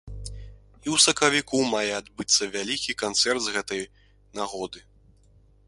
І ў сакавіку мае адбыцца вялікі канцэрт з гэтай нагоды.